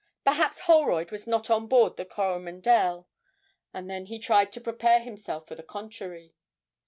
Perhaps Holroyd was not on board the 'Coromandel' and then he tried to prepare himself for the contrary.